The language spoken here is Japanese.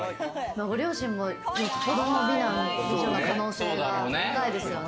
ご両親もよっぽどの美男美女の可能性が高いですよね。